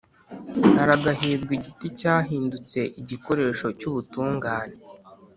Haragahirwa igiti cyahindutse igikoresho cy’ubutungane,